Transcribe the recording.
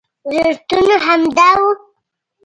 ضرورتونه همدا وو.